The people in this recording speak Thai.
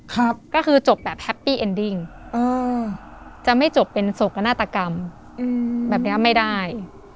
ก็คือจบแบบแฮปปี้เอ็นดิ้งจะไม่จบเป็นโศกนาฏกรรมแบบเนี้ยไม่ได้